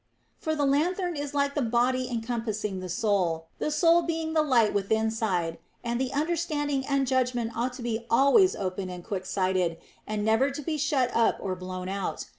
For the lanthorn is like the body encompassing the soul, the soul being the light withinside, and the understanding and judgment ought to be always open and quick sighted, and never to be shut up or blown out.